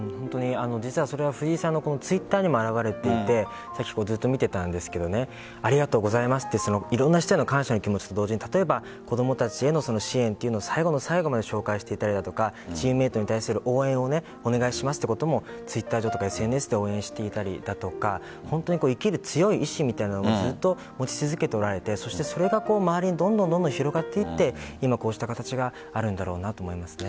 実はそれが藤井さんのＴｗｉｔｔｅｒにも表れていてありがとうございますって色々な人への感謝の気持ちと同時に子供たちへの支援というのを最後の最後まで紹介していたりチームメートに対する応援をお願いしますということもＴｗｉｔｔｅｒ上、ＳＮＳで応援していたりだとか生きる強い意志みたいなものをずっと持ち続けておられてそれが周りにどんどん広がっていって今、こうした形があるんだろうなと思います。